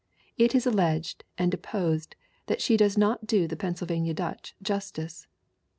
It is alleged and deposed that she does not do the Pennsylvania Dutch justice.